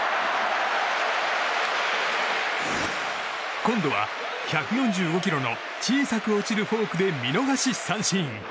今度は１４５キロの小さく落ちるフォークで見逃し三振。